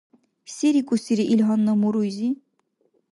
Се рикӀусири ил гьанна муруйзи?